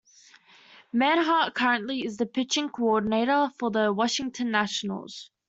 Menhart currently is the pitching coordinator for the Washington Nationals.